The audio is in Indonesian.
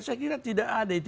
saya kira tidak ada itu